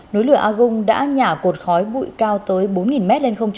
núi lửa agung đã nhả cột khói bụi cao tới bốn m ba